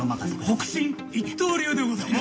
北辰一刀流でございます。